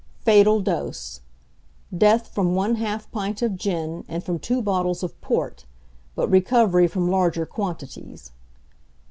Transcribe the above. Fatal Dose. Death from 1/2 pint of gin and from two bottles of port, but recovery from larger quantities.